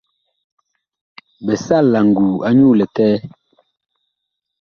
Bi sal la nguu anyuu likɛɛ.